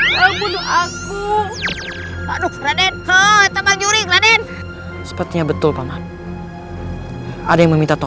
kalau aku aduk raden ke teman juri keren sepertinya betul paman ada yang meminta tolong